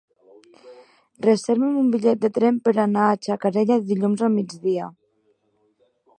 Reserva'm un bitllet de tren per anar a Xacarella dilluns al migdia.